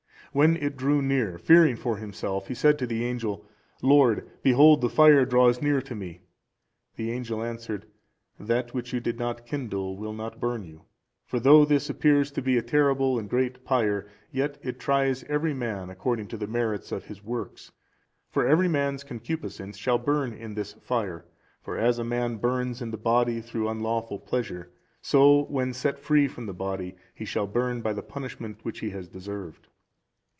When it drew near, fearing for himself, he said to the angel, "Lord, behold the fire draws near to me." The angel answered, "That which you did not kindle will not burn you; for though this appears to be a terrible and great pyre, yet it tries every man according to the merits of his works; for every man's concupiscence shall burn in this fire; for as a man burns in the body through unlawful pleasure, so, when set free from the body, he shall burn by the punishment which he has deserved."